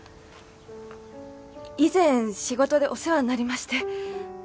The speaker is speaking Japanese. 以前仕事でお世話になりまして。